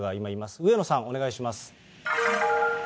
上野さん、お願いします。